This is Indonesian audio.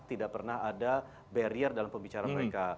tidak pernah ada barrier dalam pembicaraan mereka